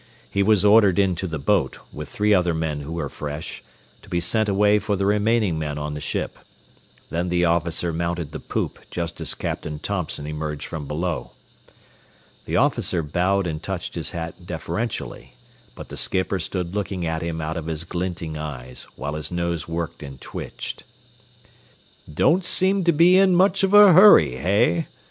He was ordered into the boat, with three other men who were fresh, to be sent away for the remaining men on the ship. Then the officer mounted the poop just as Captain Thompson emerged from below. The officer bowed and touched his hat deferentially, but the skipper stood looking at him out of his glinting eyes, while his nose worked and twitched. "Don't seem to be in much of a hurry, hey?"